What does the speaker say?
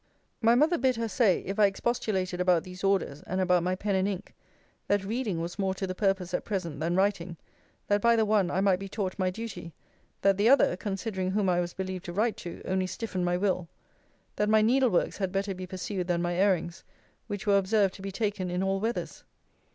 My mother bid her say, if I expostulated about these orders, and about my pen and ink, 'that reading was more to the purpose, at present, than writing: that by the one, I might be taught my duty; that the other, considering whom I was believed to write to, only stiffened my will: that my needle works had better be pursued than my airings; which were observed to be taken in all weathers.'